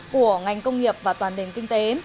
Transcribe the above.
của ngành công nghiệp và toàn đền kinh tế